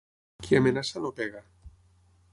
Qui amenaça no pega.